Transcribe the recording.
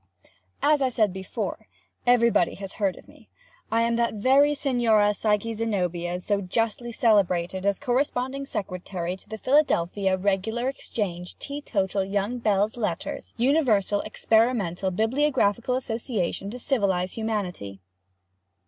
As I said before, everybody has heard of me. I am that very Signora Psyche Zenobia, so justly celebrated as corresponding secretary to the "Philadelphia, Regular, Exchange, Tea, Total, Young, Belles, Lettres, Universal, Experimental, Bibliographical, Association, To, Civilize, Humanity."